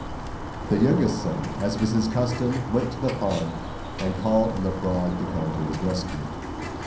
The youngest son, as was his custom, went to the pond, and called on the frog to come to his rescue.